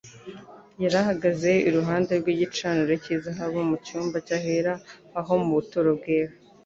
Yari ahagaze iruhande rw'igicaniro cy'izahabu mu cyumba cy'ahera ho mu buturo bwera.